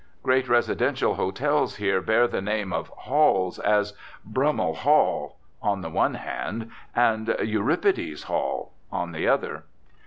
Great residential hotels here bear the name of "halls," as "Brummel Hall" on the one hand and "Euripides Hall" on the other.